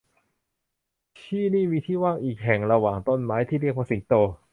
ที่นี่มีที่ว่างอีกแห่งระหว่างต้นไม้ที่เรียกว่าสิงโต